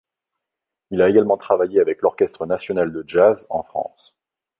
Il a également travaillé avec l'Orchestre national de jazz en France.